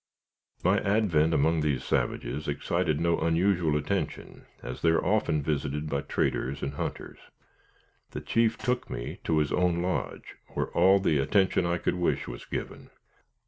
My advent among these savages excited no unusual attention, as they are often visited by traders and hunters. The chief took me to his own lodge, where all the attention I could wish was given.